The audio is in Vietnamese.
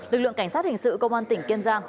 lực lượng cảnh sát hình sự công an tỉnh kiên giang